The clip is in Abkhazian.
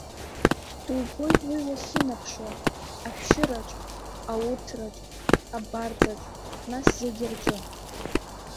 Дубоит уи уахьынаԥшуа, ашәшьыраҿ, ауҭраҿ, абарҵаҿ, нас зегьы рҿы.